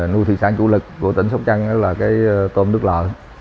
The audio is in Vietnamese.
nuôi thị sản chủ lực của tỉnh sóc trăng là tôm nước lợ